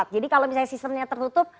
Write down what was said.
jadi kalau misalnya sistemnya tertutup